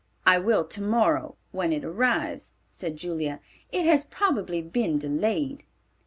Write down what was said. "I will tomorrow when it arrives," said Julia. "It has probably been delayed."